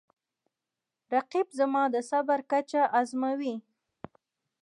رقیب زما د صبر کچه ازموي